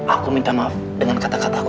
aku minta maaf dengan kata kata aku